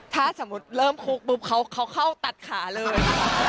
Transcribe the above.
ถ้าสมมุติเริ่มคุกปุ๊บเขาเข้าตัดขาเลย